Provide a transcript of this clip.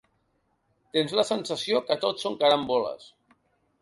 Tens la sensació que tot són caramboles.